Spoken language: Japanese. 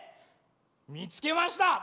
みつけました。